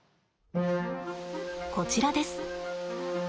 こちらです。